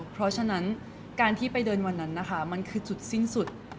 เพราะฉะนั้นการที่ไปเดินวันนั้นนะคะมันคือจุดสิ้นสุด